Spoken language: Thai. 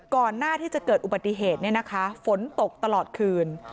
ก่อนหน้าที่จะเกิดอุบัติเหตุฝนตกตลอดคืน